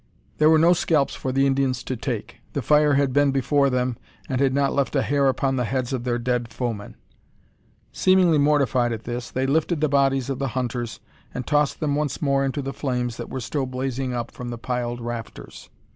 There were no scalps for the Indians to take. The fire had been before them, and had not left a hair upon the heads of their dead foemen. Seemingly mortified at this, they lifted the bodies of the hunters, and tossed them once more into the flames that were still blazing up from the piled rafters.